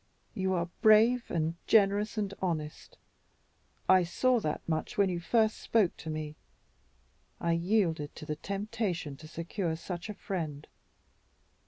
You are brave and generous and honest. I saw that much when you first spoke to me. I yielded to the temptation to secure such a friend.